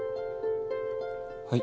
はい。